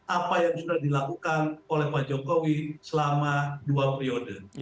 apa yang sudah dilakukan oleh pak jokowi selama dua periode